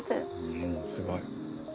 うんすごい。